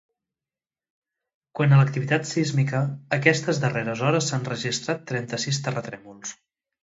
Quant a l’activitat sísmica, aquestes darreres hores s’han registrat trenta-sis terratrèmols.